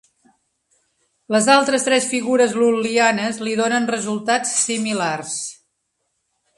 Les altres tres figures lul·lianes li donen resultats similars.